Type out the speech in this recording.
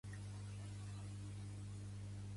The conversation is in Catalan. "Niagara Falls, or Does It?"